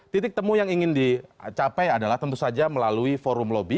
titik temu yang ingin dicapai adalah tentu saja melalui forum lobby